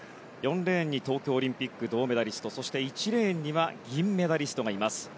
４レーンに東京オリンピック銅メダリスト１レーンには銀メダリストがいます。